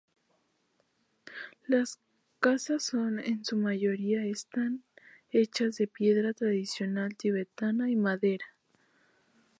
Las casas son en su mayoría están hechas de piedra tradicional tibetana y madera.